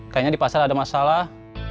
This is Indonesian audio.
kayaknya di pasar ada masalah